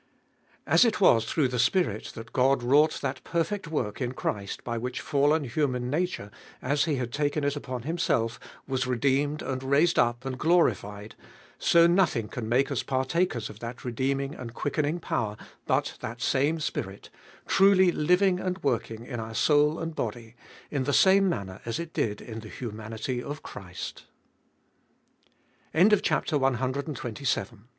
4. As it was through the Spirit that God wrought that perfect worh in Christ by which fallen human nature, as He had tahen it upon Himself, was redeemed and raised up and glorified, so nothing can matte us partakers of that redeeming and quickening power but that same Spirit, truly living and wording in our soul and body, in the same manner as It did in the humanity of Christ, Gbe Ibol